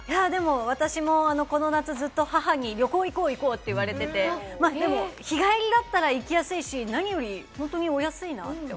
私もこの夏、ずっと母に旅行に行こうって言われていて、でも日帰りだったら行きやすいし、何よりお安いなって。